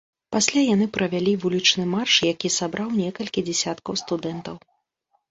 Пасля яны правялі вулічны марш, які сабраў некалькі дзясяткаў студэнтаў.